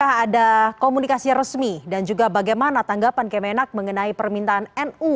apakah ada komunikasi resmi dan juga bagaimana tanggapan kemenak mengenai permintaan nu